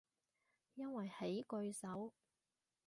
因為喺句首